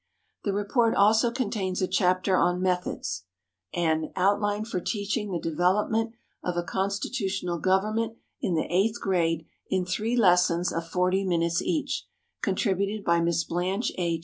The report also contains a chapter on Methods, an "Outline for Teaching the Development of a Constitutional Government in the Eighth Grade in Three Lessons of Forty Minutes Each," contributed by Miss Blanche A.